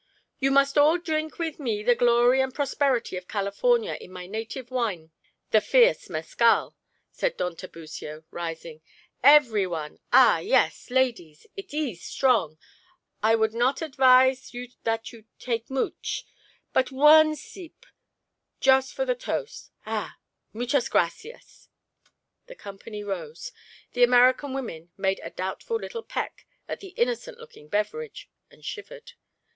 "You must all dreenk with me to the glory and prosperity of California in my native wine, the fierce mescal," said Don Tiburcio, rising. "Every one ah, yes, ladies, it ees strong: I would not advise you that you take mooch; but one seep, just for the toast ah, muchas gracias." The company rose. The American women made a doubtful little peck at the innocent looking beverage, and shivered.